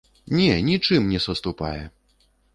Не, нічым не саступае!